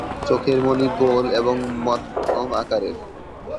চোখের মনি গোল এবং মধ্যম আকারের।